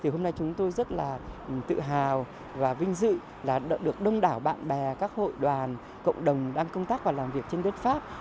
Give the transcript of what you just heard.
hôm nay chúng tôi rất là tự hào và vinh dự được đông đảo bạn bè các hội đoàn cộng đồng đang công tác và làm việc trên đất pháp